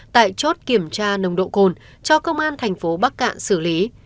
tại chốt kiểm tra nồng độ cồn cho công an thành phố bắc cạn xử lý